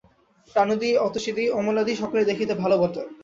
রানুদি, অতসীদি, অমলাদি, সকলেই দেখিতে ভালো বটে।